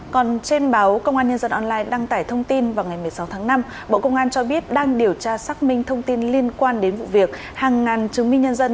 còn trên báo công an nhân dân online đăng tải thông tin vào ngày một mươi sáu tháng năm bộ công an cho biết đang điều tra xác minh thông tin liên quan đến vụ việc hàng ngàn chứng minh nhân dân